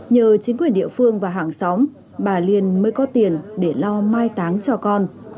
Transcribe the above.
nhờ chính quyền địa phương và hàng xóm bà liên mới có tiền để lo mai táng cho con